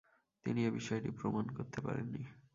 তিনি এ বিষয়টি প্রমাণ করতে পারেননি।